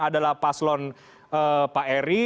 adalah paslon pak eri